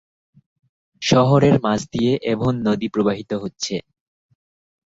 শহরের মাঝ দিয়ে অ্যাভন নদী প্রবাহিত হচ্ছে।